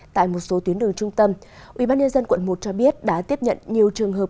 tại một số tuyến đường trung tâm ubnd quận một cho biết đã tiếp nhận nhiều trường hợp